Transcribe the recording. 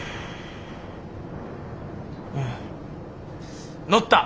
うん乗った！